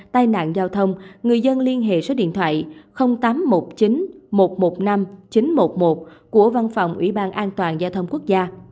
tai nạn giao thông người dân liên hệ số điện thoại tám trăm một mươi chín một trăm một mươi năm chín trăm một mươi một của văn phòng ủy ban an toàn giao thông quốc gia